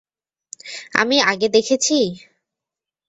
আমি আগে দেখেছি!